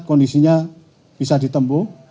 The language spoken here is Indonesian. kondisinya bisa ditempo